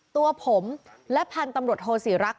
ตัวผมและพันธุ์ตำรวจโทศรีรักษ